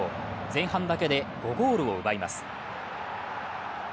前半だけで５ゴールを奪います。